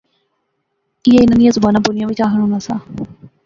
ایہھے انیں نیاں زباناں بولیا وچ آخنونا سا